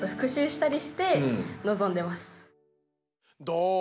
どう？